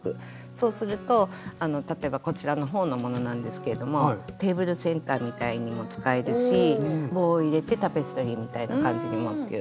そうすると例えばこちらの方のものなんですけどもテーブルセンターみたいにも使えるし棒を入れてタペストリーみたいな感じにもという。